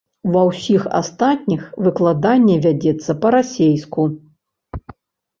Ва ўсіх астатніх выкладанне вядзецца па-расейску.